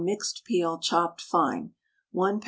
mixed peel, chopped fine, 1 lb.